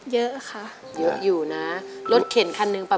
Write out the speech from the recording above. เยอะค่ะ